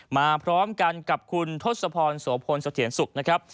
พร้อมกันกับคุณทศพรโสพลสะเทียนสุขนะครับ